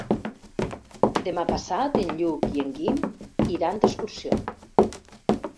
Demà passat en Lluc i en Guim iran d'excursió.